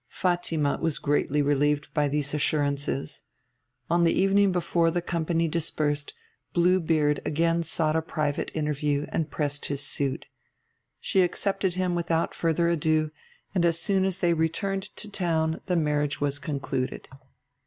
Fatima was greatly relieved by these assurances. On the evening before the company dispersed Blue Beard again sought a private interview and pressed his suit. She accepted him without further ado, and as soon as they returned to town the marriage was concluded.